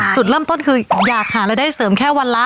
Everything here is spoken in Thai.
จุดเริ่มต้นคืออยากหารายได้เสริมแค่วันละ